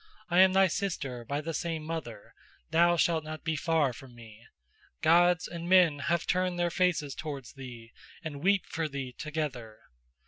I am thy sister by the same mother, thou shalt not be far from me. Gods and men have turned their faces towards thee and weep for thee together.